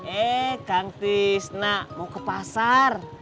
eh kang tisna mau ke pasar